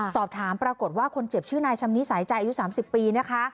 สอบถามปรากฏว่าคนเจ็บชื่อนายชำนิสายใจอายุ๓๐ปีนะคะ